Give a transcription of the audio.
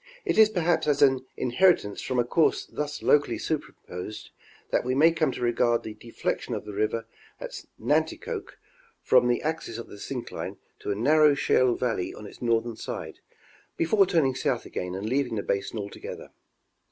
It is perhaps as an inheritance from a course thus locally superimposed that we may come to regard the deflection of the river at Nanticoke from the axis of the syncline to a narrow shale valley on its northern side, before turning south again and leaving the basin altogether.